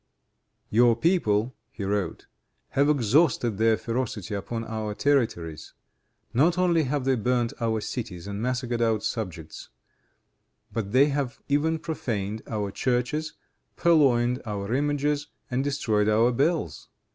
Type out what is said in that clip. "Your people," he wrote, "have exhausted their ferocity upon our territories. Not only have they burned our cities and massacred our subjects, but they have even profaned our churches, purloined our images and destroyed our bells.